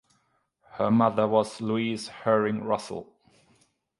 Her mother was Louise Herring Russell.